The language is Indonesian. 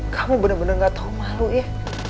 kamu bener bener gak tau malu ya